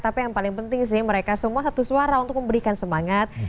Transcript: tapi yang paling penting sih mereka semua satu suara untuk memberikan semangat